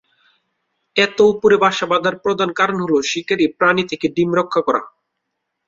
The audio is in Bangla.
এত উপরে বাসা বাঁধার প্রধান কারণ হলো শিকারি প্রাণি থেকে ডিম গুলো রক্ষা করা।